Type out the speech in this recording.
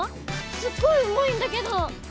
すっごいうまいんだけど！